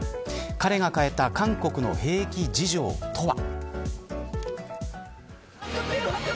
彼が変えた韓国の兵役事情とは。